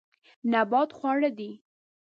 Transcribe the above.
نبات خواړه دي.